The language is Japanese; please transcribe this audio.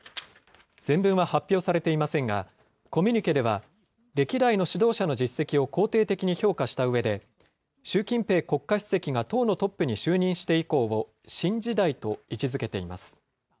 全文は発表されていませんが、コミュニケでは、歴代の指導者の実績を肯定的に評価したうえで、習近平国家主席が党のトップに就任して以降を新時代と位置づけています。